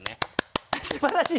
すばらしい。